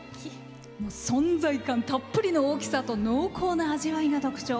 存在感たっぷりの大きさと濃厚な味わいが特徴。